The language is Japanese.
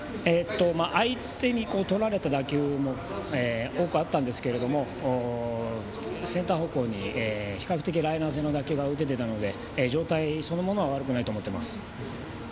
相手にとられた打球も多くあったんですけどセンター方向に比較的ライナー性の打球が打てていたので状態そのものは悪くないと思ってます。